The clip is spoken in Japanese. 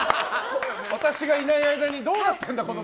私がいない間にどうなってるんだ